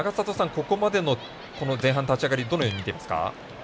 ここまでの前半立ち上がりどのように見ていますか？